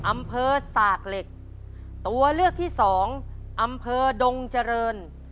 สากเหล็กตัวเลือกที่สองอำเภอดงเจริญ